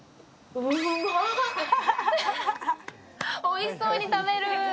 おいしそうに食べる。